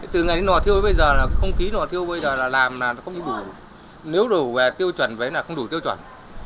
từ ngày nọ thiêu tới bây giờ là không khí nọ thiêu là làm là không đủ nếu đủ tiêu chuẩn vậy là không đủ tiêu chuẩn